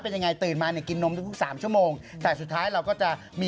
แต่งงานอาจจะ๒๒ราห์๔ครับ